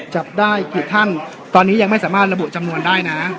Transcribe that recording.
จับได้กี่ท่านตอนนี้ยังไม่สามารถระบุจำนวนได้นะ